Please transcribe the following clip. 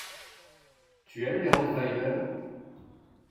Tu aimes les rottweiler?